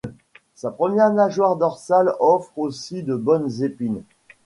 Sa première nageoire dorsale offre aussi de bonnes épines.